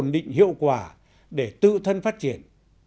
định hiệu quả để tự thân phát triển